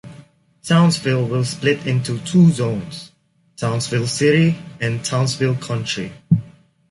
Townsville will split into two zones, Townsville City and Townsville Country.